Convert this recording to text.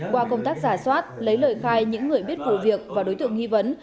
qua công tác giả soát lấy lời khai những người biết vụ việc và đối tượng nghi vấn